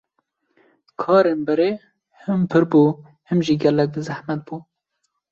Karên berê hêm pir bû hêm jî gelek bi zehmet bû.